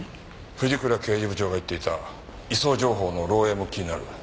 藤倉刑事部長が言っていた移送情報の漏洩も気になる。